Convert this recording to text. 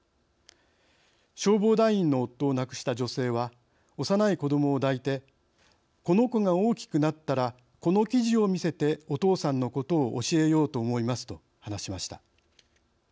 消防団員の夫を亡くした女性は幼い子どもを抱いて「この子が大きくなったらこの記事を見せてお父さんのことを教えようと思います」と話しました。